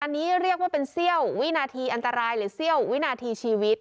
อันนี้เรียกว่าเป็นเสี้ยววินาทีอันตรายหรือเสี้ยววินาทีชีวิต